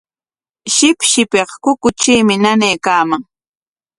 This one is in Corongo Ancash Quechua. Shipshipik kukutriimi nanaykaaman.